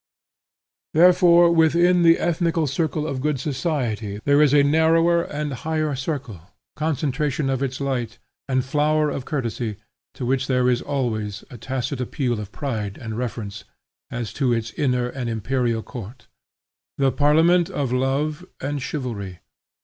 Therefore, within the ethnical circle of good society there is a narrower and higher circle, concentration of its light, and flower of courtesy, to which there is always a tacit appeal of pride and reference, as to its inner and imperial court; the parliament of love and chivalry.